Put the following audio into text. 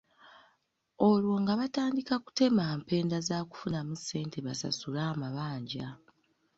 Olwo nga batandika kutema mpenda zaakufunamu ssente basasule amabanja.